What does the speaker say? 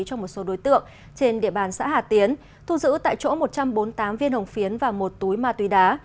cho một số đối tượng trên địa bàn xã hà tiến thu giữ tại chỗ một trăm bốn mươi tám viên hồng phiến và một túi ma túy đá